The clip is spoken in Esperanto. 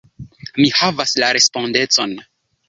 Mi havas la respondecon!